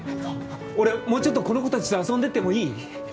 俺もうちょっとこの子達と遊んでってもいい？